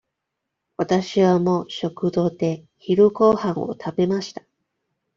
わたしはもう食堂で昼ごはんを食べました。